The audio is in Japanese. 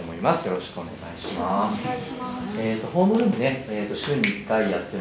よろしくお願いします。